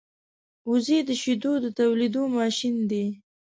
وزې د شیدو د تولېدو ماشین دی